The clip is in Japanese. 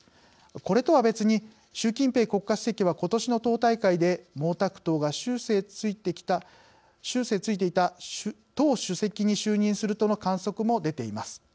これとは別に習近平国家主席はことしの党大会で毛沢東が終生就いていた党主席に就任するとの観測も出ています。